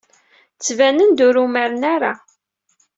Ttbanen-d ur umaren ara.